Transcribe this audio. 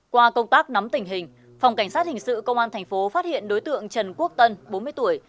qua công tác nắm tình hình phòng cảnh sát hình sự công an tp hải phòng triệt xóa phát hiện đối tượng trần quốc tân bốn mươi tuổi